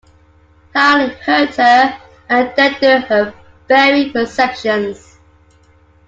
How it hurt her, and deadened her very perceptions.